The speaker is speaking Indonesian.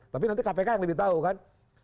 tapi nanti kpk yang lebih tahu kan